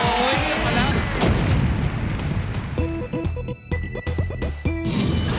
มาแล้ว